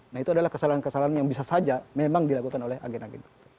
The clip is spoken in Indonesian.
nah itu adalah kesalahan kesalahan yang bisa saja memang dilakukan oleh agen agen